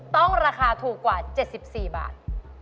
ราคาถูกกว่า๗๔บาท